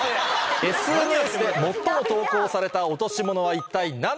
ＳＮＳで最も投稿された落とし物は一体何なのか？